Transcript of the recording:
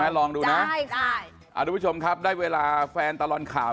อยากดูพี่อุ๋ยอ่านข่าวสไตล์ตลอนข่าว